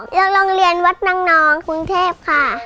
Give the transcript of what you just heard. อยู่โรงเรียนวัดน้องคุณเทพค่ะ